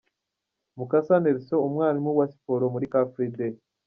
Mukasa Nelson umwalimu wa Siporo muri Car Free Day .